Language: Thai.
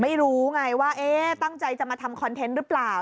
ไม่รู้ไงว่าตั้งใจจะมาทำคอนเทนต์หรือเปล่า